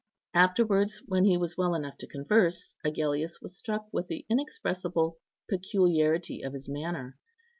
Afterwards, when he was well enough to converse, Agellius was struck with the inexpressible peculiarity of his manner.